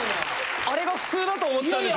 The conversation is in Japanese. あれが普通だと思ってたんですけど。